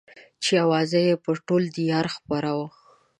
چې اوازه يې پر ټول ديار خپره وه.